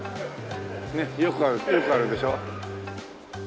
ねっよくあるよくあるでしょ。